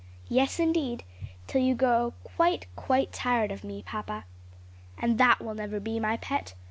"Yes, indeed; till you grow quite, quite tired of me, papa." "And that will never be, my pet.